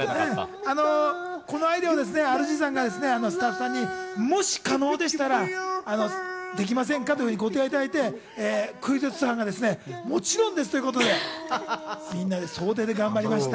この間はＲＧさん、スタッフさんにもし可能でしたらできませんかとご提案いただいて、クイズッス班がもちろんですということで、みんなで総出で頑張りました。